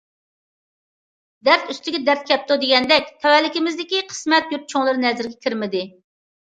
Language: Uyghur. دەرد ئۈستىگە دەرد كەپتۇ دېگەندەك تەۋەلىكىمىزدىكى قىسمەن يۇرت چوڭلىرى نەزىرگە كىرمىدى.